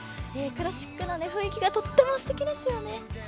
クラシックな雰囲気がとってもすてきですよね。